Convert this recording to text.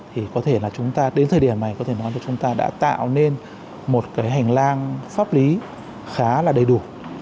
thì có thể là chúng ta đến thời điểm này đã tạo nên một hành lang pháp lý khá là đầy đủ